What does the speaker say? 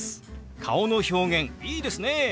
顔の表現いいですね。